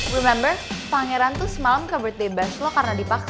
remember pangeran tuh semalam ke birthday bash lo karena dipaksa